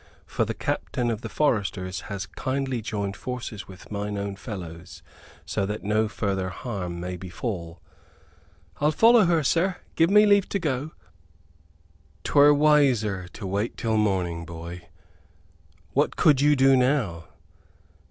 For the captain of the foresters has kindly joined forces with mine own fellows; so that no further harm may befall." "I'll follow her, sir. Give me leave to go." "'Twere wiser to wait till morning, boy. What could you do now?